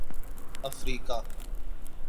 افریقہ